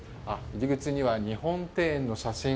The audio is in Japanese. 入り口には日本庭園の写真。